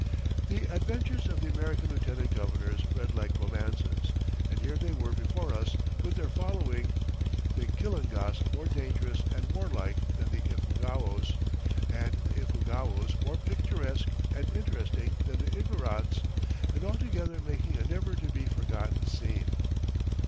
The adventures of the American lieutenant governors read like romances, and here they were before us with their following: the Kalingas more dangerous and warlike than the Ifugaos, and the Ifugaos more picturesque and interesting than the Igorots, and all together making a never to be forgotten scene.